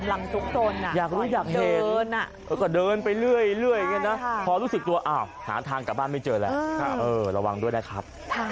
หลังกลับบ้านไม่เจอแล้วเออระวังด้วยนะครับ